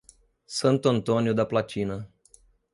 Santo Antônio da Platina